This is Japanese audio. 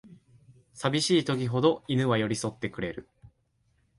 さびしい時ほど犬は寄りそってくれる